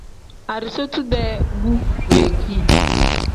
Arizotu-dee bu weegii.